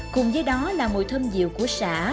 cùng với đó là mùi thơm dịu của sả